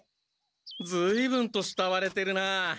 ずいぶんとしたわれてるな。